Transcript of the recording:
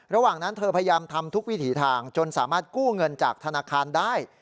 ระหว่างนั้นเธอพยายามทำทุกวิถีทางจนสามารถกู้เงินจากธนาคารได้